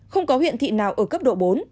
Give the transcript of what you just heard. không có huyện thị nào ở cấp độ bốn